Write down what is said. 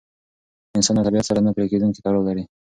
انسان له طبیعت سره نه پرېکېدونکی تړاو لري.